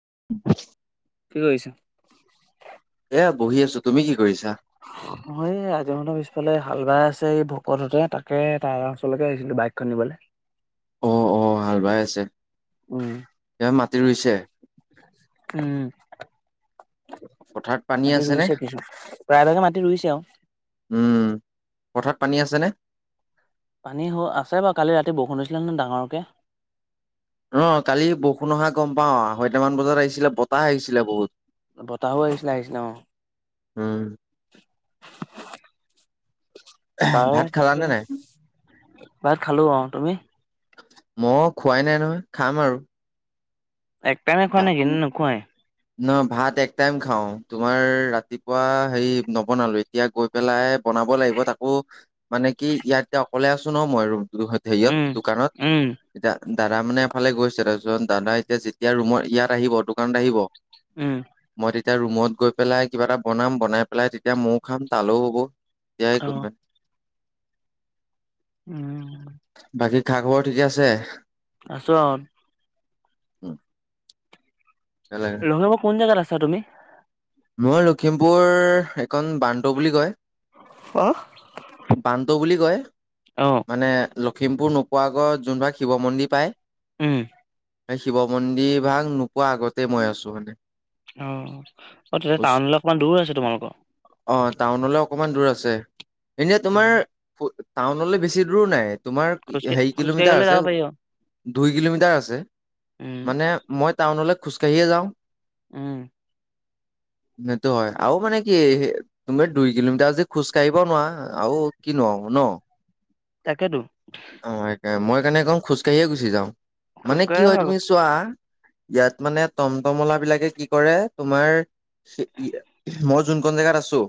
[unintelligible] কি কৰিছা? এ বহি আছোঁ, তুমি কি কৰিছা? ময়ো ৰাজীৱ পিছফালে হাল বাই আছে এই ভকততে তাকে তাৰ ওচৰলৈকে আহিছিলোঁ বাইকখন নিবলৈ। অ', অ', হাল বাই আছে। উম, এয়া মাটি ৰুইছে উম। [unintelligible] পথাৰত পানী আছে নে ৰুইছে কিছু, প্ৰায়ভাগে মাটি ৰুইছে আৰু। উম পথাৰত পানী আছেনে? পানী হ আছে বাৰু কালি ৰাতি বৰষুণ দিছিলে নহয় ডাঙৰকে। অ' কালি বৰষুণ অহা গ'ম পাওঁ আৰয়টামান বজাত আহিছিলে বতাহ আহিছিলে বহুত। বতাহো আহিছিলে আহিছিলে অ'। উম। [inaudible] তাৰে ভাত খালানে তাকে, নাই ভাত খালোঁ অ' তুমি? মই খোৱাই নাই নহয় খাম আৰু। একটাইমে খোৱা নেকি নে নোখোৱাই। মই ভাত এক টাইম খাওঁ তোমাৰ ৰাতি কুৱা হে নবনালো এতিয়া গৈ পেলাই বনাব লাগিব তাকো মানে কি ইয়াাততে অকলে চাই আছোন অ, মই হেৰিয়ত উম দোকানত উম এতিয়া দাদা, মানে এফালে গৈছে তাৰপিছত দাদা, এতিয়া যেতিয়া ৰুমৰ ইয়াত আহিব দোকানত আহিব। উম, এতিয়া ৰুমত গৈ পেলাই কিবা এটা বনাম বনাই পেলাই তেতিয়া ময়ও খাম তালও হ'ব। অ [unintelligible] উম, বাকী খা, খবৰ ঠিকে আছে। আছো অ, উম, লংঙে মোৰ কোন জগাত আছা তুমি। মই লখিমপুৰ এখন বান্ত বুলি কয়। অ বান্ত বুলি কয় মানে। লখিমপুৰ নোপোৱা আগত যোনবাক শিৱ মন্দিৰ পায়। উম, শিৱ মন্দিৰ ভাগ নোপোৱা আগতেই মই আছো মানে। অ, অ, তেতিয়া টাউনলৈ অকমান দূৰ আছ তোমালোকৰ। অকণমান দূৰ আছে এনেই তোমাৰ টাউনলৈ বেছি দূৰ নাই। তোমাৰ খোজকাঢ়ি হেৰি খোজকাঢ়ি কিলোমিটাৰ গ'লে আছে, যাব পাৰি আৰু। দুই কিলোমিটাৰ আছে। উম, মানে মই টাউনলৈ খোজকাঢ়িয়ে যাওঁ। উম, সটো হয় আৰু মানে কি তুমি দুই কিলোমিটাৰ আজদি খোজ কাঢ়িব নোৱাৰা আৰু কিনোৱা। ন, তাকেতো। অ, সে মই কাৰণে একম খোজকাাঢ়িয়ে গুচি যাওঁ খোজ মানে কি কঢ়াই হয় ভাল, তুমি চোৱা। ইয়াত মানে টমটমলা বিলাকে কি কৰে তোমাৰ। মই যোনখন জেগাত আছো।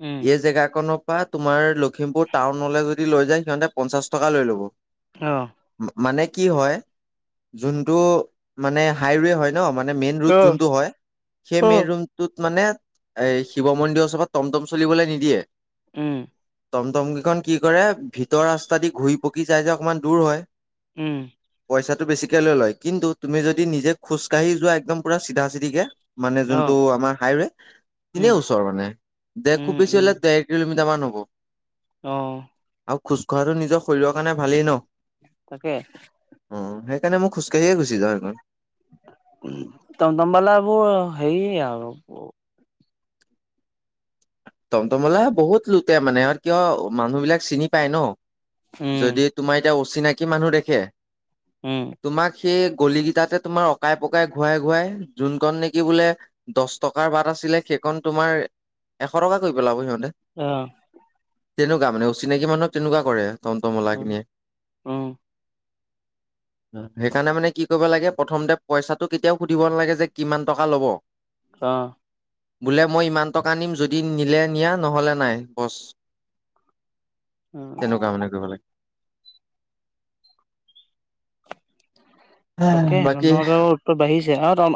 উম, এই জেগাখনৰ পৰা তোমাৰ লখিমপুৰ টাউনলৈ যদি লৈ যায়। সিহঁতে পঞ্চাশ টকা লৈ ল'ব। অ, মানে কি হয়, যোনটো মানে হাইৱে হয়। ন, মানে মেইন ৰৰু অ', যোনটো হয় সেই মেইন অ'। ৰুটোত। মানে এ, শিৱ মন্দিৰৰ চভাত টমটম চলিবলৈ নিদিয়ে। উম, টমটমকিখন কি কৰে ভিতৰ ৰাস্তা দি ঘূৰি পকি যাই যে অকণমান দূৰ হয়। উম, পইচাটো বেছিকে লৈ লয় কিন্তু তুমি যদি নিজে খোজ কাঢ়ি যোৱা একম পু চিধা চিধিকে। মানে যোনটো অ', আমাৰ হাইৱে নে উম, ওচৰ মানে, দে খুব উম, বেছি উম, হললে দেেৰ কিলোমিট। নামা হ'ব। অ, আৰু খোজকঢ়াটো নিজৰ শৰীৰৰ কাৰণে ভালেই ন অ, তাকে স সেইকাৰণে মই খোজকাঢিয়ে গুছ যাওঁ সেই কন। উ, তমতমবালা বোৰ হেইৰি আৰু। টমটমলা বহুত লুটতেে মানে আৰু কিয় মানুহ বিলাক চিনি পায় ন। উম, যদি তোমাৰ এতিয়া অচিনাকি মানুহ দেখে। উম, তোমাক সেই গলি কেইটাতে তোমাৰ অকাই পকাই ঘূুৱাই ঘূুৱাই যোনখনণ নেকি বোলে দহ টকাৰ বাট আছে। সেই কন, তোমাৰ এশটকা কৰি পালাব সিহ উম', তেনেকুৱা মানে অচিনাকি মানুহক তেনেকুৱা কৰে টম, টম আলা উম, খি। উম, সেইকাৰণে মানে কি কৰিব লাগে, প্ৰথমতে পইচাটো কেতিয়াও সুধিব নালাগে যে কিমান টকা ল'ব। অ'। বোলে মই ইমান টকা নিম, যদি নিলে নিয়া নহ'লে নাই বছ। উম। [unintelligible] তাকে বাকী তমটম আলা বিলাকৰ উতপাত বাঢ়িছে।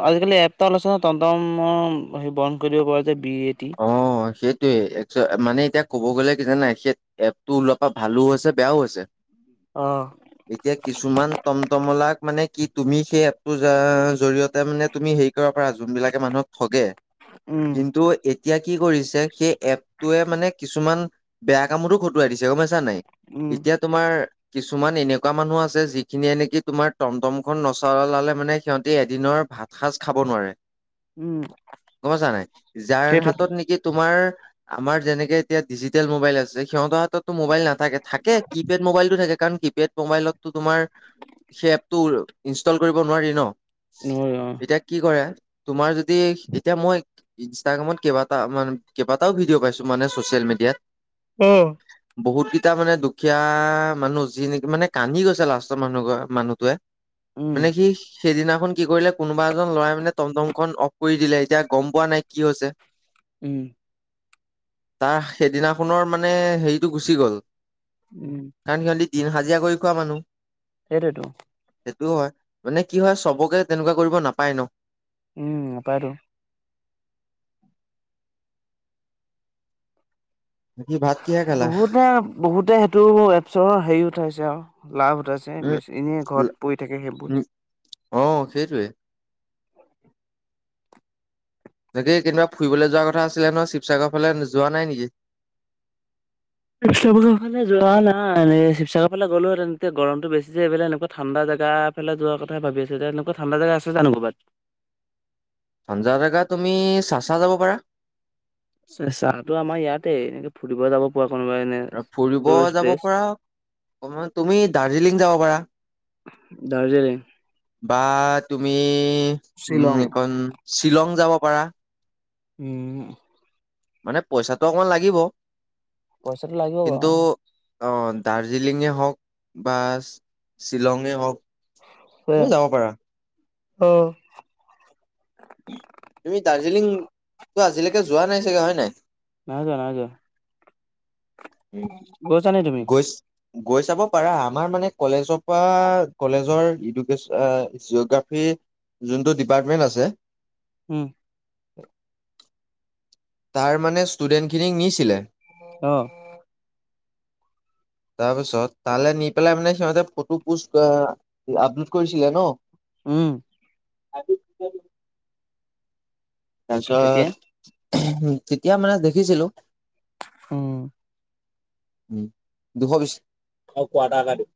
আজিকালি এপটা ওলাইছে নহয় টনটম হে বন্ধ কৰি দিব পৰা যে বি এ টি। অ' সেইটোৱে মানে এতিয়া ক'ব গ'লে কি জানা সেই এপ টো ওলোৱাপা ভালোঁ হৈছে বেয়াও হৈছে। অ', এতিয়া কিছুমান টমটমলাক মানে কি তুমি সেই এপটো জা-জৰিয়তে মানে তুমি হেৰি কৰিব পাৰা যোনবিলাকে মানুহক ঠগে উম, কিন্তু এতিয়া কি কৰিছে, সেই এপটোৱে মানে কিছুমান বেয়া কামতো খটুৱাই দিছে গমপাইছা নাই উম, এতিয়া তোমাৰ কিছুমান এনেকুৱা মানুহ আছে যিখিনিয়েনেকি তোমাৰ টমটমখন নচলালে মানে সিহঁতি এদিনৰ ভাত সাজ খাব নোৱাৰে উম, গমপাইছা নাই, যাৰ হাত সেইটোৱে, তোমাৰ আমাৰ যেনেকে এতিয়া ডিজিটেল মোবাইল আছে সিহঁত মোবাইল নাথাকে থাকে কি পেড মোবাইলটো থাকে কাৰণ কিপেড মোবাইলতটো তোমাৰ সেই এপটো ইনষ্টল কৰিব নোৱাৰি ন। নহয় অ'। এতিয়া কি কৰে তোমাৰ যদি এতিয়া মই ইনষ্টাগ্ৰামত কেইবা কেইবাটাও ভিডিঅ' পাইছোঁ মানে ছ'চিয়েল মিডিয়াত। অ'। এতিয়া মানে দুখীয়া মানুহ যি নেকি মানে কান্দি গৈছে লাষ্টৰ মানুহ মানুহটোৱে। উম, মানে কি সেইদিনাখন কি কৰিলে কোনোবা এজন লৰাই মানে টমটমখন অফ কৰি দিলে, এতিয়া গম পোৱা নাই কি হৈছে। উম। তাৰ সেইদিনাখনৰ মানে হেৰিটো গুচি গ'ল। উম। কাৰণ সিহঁতি দিন হাজিৰা কৰি খোৱা মানুহ। সেইটোৱেটো। সেইটোও হয় মানে কি হয় চবকে তেনেকুৱা কৰিব নাপায় ন। উম, নাপাইটো। ভাত কিহে খালা বহুতে, বহুতে সেইটো এপচৰ হেৰি উঠাইছে আৰু লাভ উঠাইছে উম ম এনে ঘৰত। পৰি থাকে সেইবোৰ। উম অ', সেইটোৱে। তাকে কেনিবা ফুৰিবলৈ যোৱাৰ কথা আছিলে নহয় শিৱসাগৰ ফালে যোৱা নাই নেকি? শিৱসাগৰ ফালে যোৱা নাই, শিৱসাগৰ ফালে গ'লোহেতেন এতিয়া গৰমটো বেছি যে এইফালে এনেকুৱা ঠাণ্ডা জেগা। গা, ফালে যোৱা কথা ভাবি আছো এনেকুৱ ঠাণ্ডা জেগা আছে জানো কৰবাত? ঠাণ্ডা জেগা তুমি চাচা যাব পাৰা। চেচাটো আমাৰ ইয়াতে এনে ফুৰিব যাব পৰাকৈ। আৰু ফুৰিব যাব পাৰা অকমান তুমি দাৰ্জিলিং যাব পাৰা। দা বাট তুমি উম, শ্বিলং এইকন শ্বিলং যাব পাৰা। উম। মানে পইচাটো অকমান লাগিব। পইচাটো লাগিব বাৰু। কিন্তু অ', দাৰ্জিলিঙে হওক বা শ্বিলঙে হওক। তুমি যাব পাৰা। অ'। তুমি দাৰ্জিলিংটো আজিলৈকে যোৱা নাই চাগে হয় নাই? নাই যোৱা, নাই যোৱা। নাই? গৈছা নে তুমি? গৈ গৈ চাব পাৰা আমাৰ মানে কলেজৰ পৰা কলেজৰ ইডুকে জিঅগ্ৰাফি যোনটো ডিপাৰ্টমেণ্ট আছে উম। [inaudible] তাৰ মানে ষ্টুডেণ্টখিনিক নিছিলে অ'হ। তাৰ পিছত তালে নি পেলাই মানে সিহঁতে ফটো পষ্ট আপলোড কৰিছিলে ন। উম। আি [unintelligible] তেতিয়া তাৰপিছত তেতিয়া মানে দেখিছিলোঁ। উম। উ দুশবিশ কোৱাটাৰ এটা দিব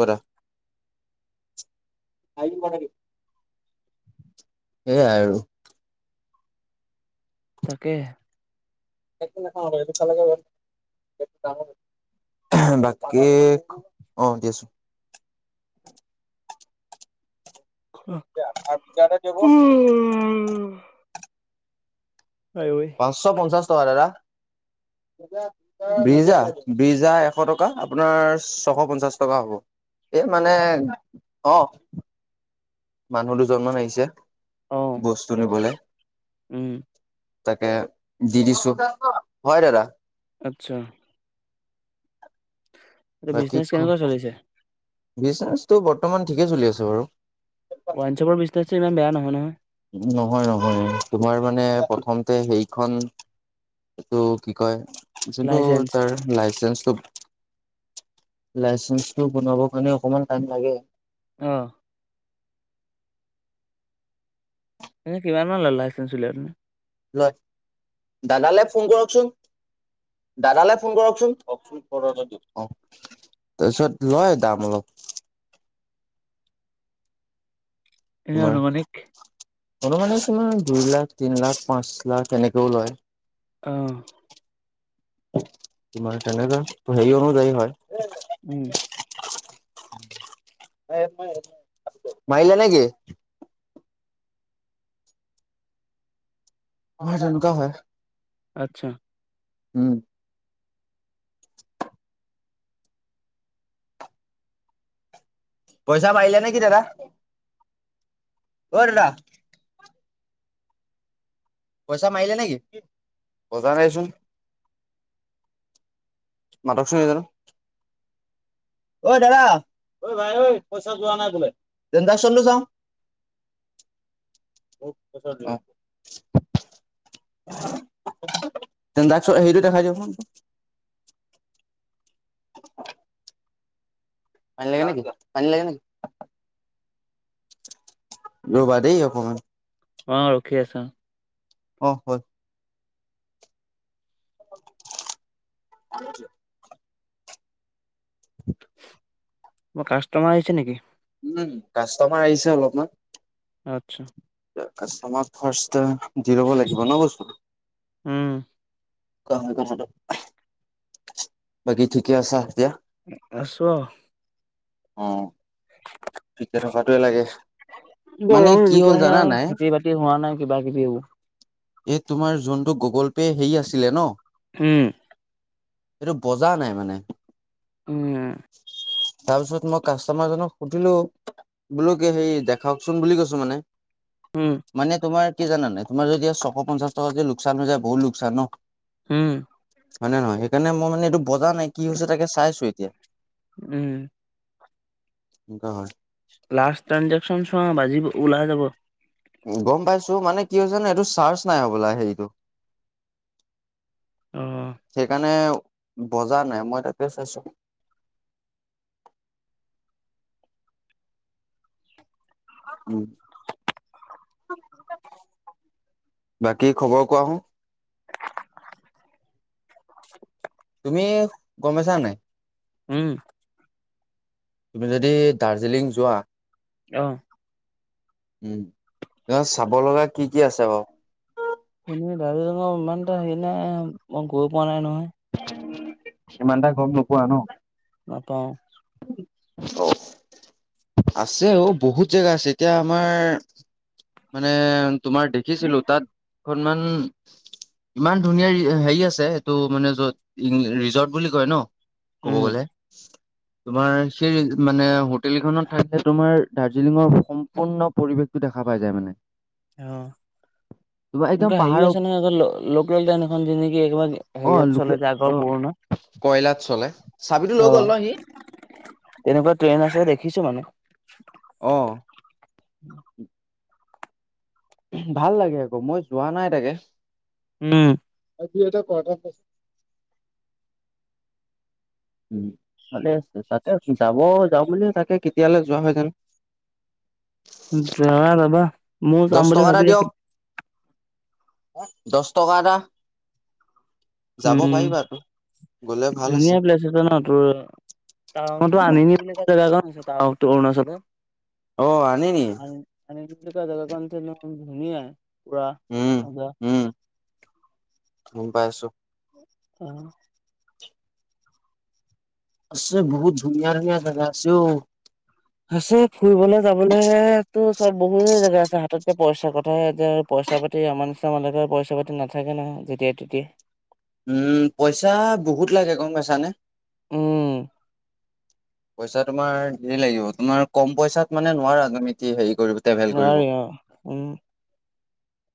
কোৱাটা আহ মানকে [unintelligible] সেয়াই আৰু। তাকে। টো চালাম [unintelligible] বাকী অ', দি আছো। উম। পাঁচশ পঞ্চাশ টকা দাদা। বীৰ্জা বীৰ্জা এশ টকা আপোনাৰ ছশ পঞ্চাশ টকা হ'ব। এ মানে অ'। মানুহ দুজনমান আহিছে অ বস্তু নিবলে। উম তাকে দি দিছো, হয় দাদা। আচ্ছা। এ বাকী বিজেনেচ ক কেনেকুৱা চলিছে। বিজনেচটো বৰ্তমান ঠিকে চলি আছে বাৰু। ওৱাইনচপৰ বিচনেজ ইমান বেয়া নহয় নহয়। নহয় নহয় তোমাৰ মানে প্ৰথমতে সেইখন এইটো কি কয় যোনটো লাইচেন্স তাৰ লাইচেন্ঞ্চ লাইচেন্সটো বনাবৰ কাৰণে অকমান টাইম লাগে। অহ। এনে কিমান মান লাইচেন্ঞ্চ উলিয়াই হয় দাদালৈ ফোন কৰকচোন। দাদালৈ ফোন কৰকচোন কওকচোন অ'। তাৰপিছত লয় দাম অলপ। এনে তোমাৰ আনুমানিক। অনুমানে কিমান দুই লাখ তিন লাখ পাঁচ লাখ এনেকেও লয়। অহ। তোমাৰ তেনেকা ত হেৰি অনুযায়ী হয়। উম। মাৰিলে নেকি? হয় তেনেকুৱা হয়। আচ্ছা। হম। পইচা মাৰিলে নি কি দাদা ওই দাদা পইচা মাৰিলে নেকি? পজা [unintelligible] মাতক চোন এই জনক। ঐ দাদা, ঐ ভাই ঐ, পইচা যোৱা নাই তোলে, তেনজেকচনটো চাও? [unintelligible] অহ। ট্ৰেনজেক্‌চন হেৰিটো দেখাই দিওঁকচোন। [inaudible] পানী লাগে নেকি, পানী লাগে নেকি? ৰবা দেই অকমান। অ', ৰখি আছো। অ', হ'ল। [inaudible] [inaudible] অ', কাষ্টোমাৰ আহিছে নেকি? উম', কাষ্টোমাৰ আহিছে অলপমান। আচ্ছা। কাষ্টোমাৰক ফাষ্টে দি ল'ব লাগিব ন' বস্তু। উম। কোৱাচোন কথাটো। বাকি ঠিকে আছা এতিয়া? আছোঁ আৰু। অ'। ঠিকে থকাটোৱে লাগে, মানে কি হ'ল জানা নাই। কিবাকিবি। এই তোমাৰ যোনটো গুগল পে' হেৰি আছিলে ন'। উম। এইটো বজা নাই মানে। উম। তাৰ পিছত মই কাষ্টমাৰজনক সুধিলো, বোলো কি হেৰি দেখাওকচোন বুলি কৈছো মানে। উম মানে তোমাৰ কি জানা নাই, তোমাৰ যেতিয়া ছশ পঞ্চাশ টকা কে লোকচান হৈ যায় বহুত লোকচান ন'। হুম। হয় নে নহয়? সেইকাৰণে মই মানে এইটো বজা নাই কি হৈছে তাকে চাইছো এতিয়া। অ', উম হয়। লাষ্ট ট্ৰেনজেকশ্যন চোৱা বাজিব, ওলাই যাব। গম পাইছোঁ, মানে কি হৈছে জানোনে এইটো চাৰ্জ নাই হোবোলা হেৰিটো। অ সেইকাৰনে বজা নাই মই তাকে চাইছো। [inaudible] বাকী খবৰ কোৱা সু। তুমি গম পাইছা নে নাই? উম। তুমি যদি দাৰ্জিলিং যোৱা। অ'। উম চাব লগা কি কি আছে বাৰু? এনে দাৰ্জিলিংৰ ইমানটা হেৰি নাই মই গৈ পোৱা নাই নহয়। সিমানটা গম নোপোৱা ন'? নাপাওঁ। অ'। আছে অ, ' বহুত জেগা আছে, এতিয়া আমাৰ মানে তোমাৰ দেখিছিলো তাত দুখনমান ইমান ধুনীয়া হেৰি আছে, এইটো মানে যত ৰিজৰ্ট বুলি কয় ন'। ক'ব উম, গ'লে, তোমাৰ সেই মানে হোটেলখনত তাত যে তোমাৰ দাৰ্জিলিঙৰ সম্পূৰ্ণ পৰিৱেশটো দেখা পাই যায় মানে। অ'। [unintelligible] এনেকুৱা হেৰিও আছে নহয় লোকেল টেইন এখন যেকি একাৰ অ হেৰিয়ত লোকে চলে যে আগৰ অ পুৰণা। কয়লাত চলে। চাবিটো লৈ অ', গ'ল ন' সি? তেনেকুৱা ট্ৰেইন আছে দেখিছো মানে। অ'। [inaudible] ভাল লাগে আকৌ, মই যোৱা নাই তাকে। উম। এতিয়া এটা কথাছে উ, ভালে আছে, তাকে যাব যাওঁ বুলি তাকে কেতিয়ালৈ যোৱা হয় জানো। যোৱা ৰ'বা, ময়ো যাম বুলি ভাবি আছিলোঁ। দছ টকা এটা। যাব উম, পাৰিবা আকৌ। ধুনীয়া প্লেচ আছে ন' তোৰ টাউনতো আনিব বোলে। তই কেইবাৰ গৈছ টাউন অৰুণাচলে? অ' আনি নি? [unintelligible] ধুনীয়াই। পোৰা উম, মজা। উম, গম পাইছো অ'। আছে বহুত ধুনীয়া ধুনীয়া জাগা আছে অ'। আছে ফুৰিবলে যাবলেতো চব বহুতে জেগা আছে হাতত। এতিয়া পইচাৰ কথাহে, পইচা পাতি আমাৰ নিচিনা মানুহৰ তাত পইচা পাতি নাথাকে নহয় যেতিয়াই তেতিয়াই। উম, পইচা বহুত লাগে গ'ম পাইছানে? উম। পইচা তোমাৰ দেৰ লাগিব, তোমাৰ কম পইচাত মানে নোৱাৰা তুমি কি হেৰি কৰিব ট্ৰেভেল কৰিব। নোৱাৰি অ উম